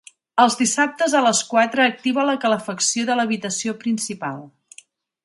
Els dissabtes a les quatre activa la calefacció de l'habitació principal.